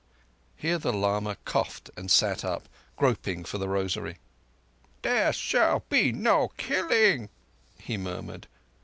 Here the lama coughed and sat up, groping for the rosary. "There shall be no killing," he murmured.